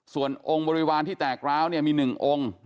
ส่วนองค์บริวารที่แตกร้าวเนี่ยมี๑องค์